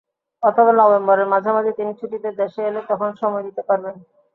অথবা নভেম্বরের মাঝামাঝি তিনি ছুটিতে দেশে এলে তখন সময় দিতে পারবেন।